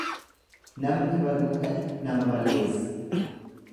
Namni baduu ka'e nama balleessa.